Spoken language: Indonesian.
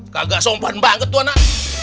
kagak sompan banget tuh anak